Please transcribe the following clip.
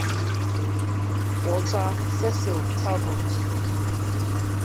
Walter Cecil Talbot.